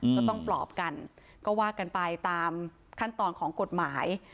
ก็ต้องปลอบกันก็ว่ากันไปตามขั้นตอนของกฎหมาย